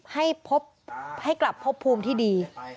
ให้กลับพบภูมิที่ดี